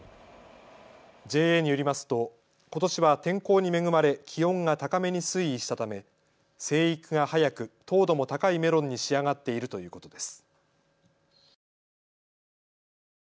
ＪＡによりますとことしは天候に恵まれ気温が高めに推移したため生育が早く糖度も高いメロンに仕上がっているということです。